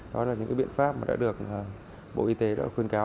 đó là những biện pháp mà đã được bộ y tế đã khuyên cáo